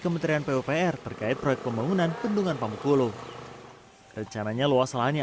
kementerian pupr terkait proyek pembangunan bendungan pamukulu rencananya luas lahannya